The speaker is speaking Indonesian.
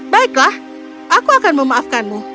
baiklah aku akan memaafkanmu